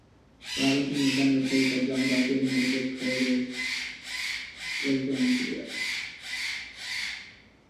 Robinson was then replaced by John Garfield and Michael Curtiz was going to direct.